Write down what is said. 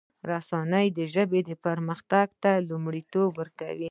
رسنی دي د ژبې پرمختګ ته لومړیتوب ورکړي.